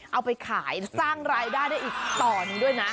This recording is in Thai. เอาไปขายสร้างรายได้ได้อีกต่อหนึ่งด้วยนะ